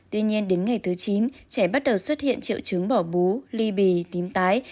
tuy nhiên đến ngày thứ chín trẻ bắt đầu xuất hiện triệu chứng bỏ bú ly bì tím tái